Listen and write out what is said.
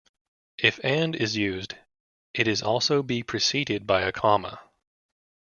If "and" is used, it is also be preceded by a comma.